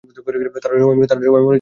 তারা সবাই মরেছে।